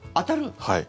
はい。